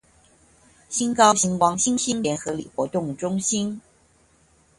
新高新光新興聯合里活動中心